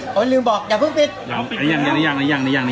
ครับโอ้ยลืมบอกอย่าเพิ่งปิดยังยังยังยังยังยังครับยังครับ